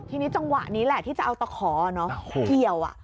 ทีนี้จังหวะนี้แหละที่จะเอาตะขอเกี่ยว